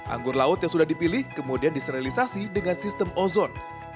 anggur laut yang sudah dipilih kemudian diserilisasi dengan sistem ozon